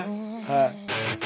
はい。